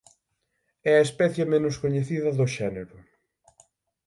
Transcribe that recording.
É a especie menos coñecida do xénero.